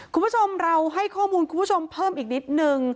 คุณผู้ชมเราให้ข้อมูลคุณผู้ชมเพิ่มอีกนิดนึง